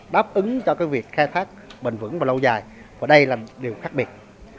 đáp ứng cho việc khai thác bền vững và lâu dài và đây là điều khác biệt